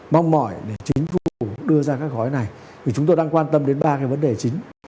mong mỏi để chính phủ đưa ra các gói này vì chúng tôi đang quan tâm đến ba cái vấn đề chính